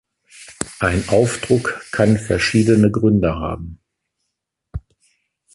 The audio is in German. Ein Aufdruck kann verschiedene Gründe haben.